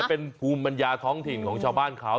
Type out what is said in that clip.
เป็นภูมิปัญญาท้องถิ่นของชาวบ้านเขา